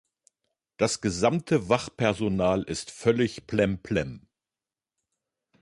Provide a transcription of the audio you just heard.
Das gesamte Wachpersonal ist völlig plemplem.